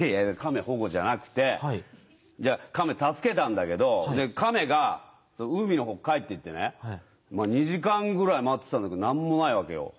いえいえ、亀、保護じゃなくて、じゃあ、亀助けたんだけど、亀が海のほう帰っていってね、まあ２時間ぐらい待ってたんだけど、なんもないわけよ。